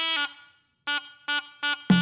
โปรดติดตามตอนต่อไป